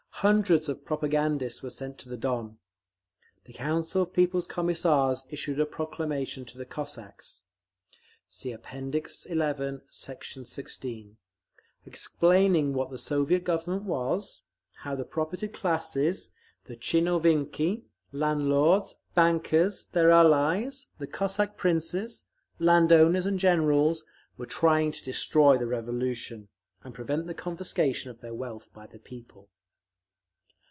Hundreds of propagandists were sent to the Don. The Council of People's Commissars issued a proclamation to the Cossacks, (See App. XI, Sect. 16) explaining what the Soviet Government was, how the propertied classes, the tchin ovniki, landlords, bankers and their allies, the Cossack princes, land owners and Generals, were trying to destroy the Revolution, and prevent the confiscation of their wealth by the people.